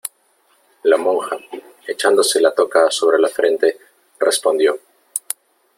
la monja , echándose la toca sobre la frente , respondió :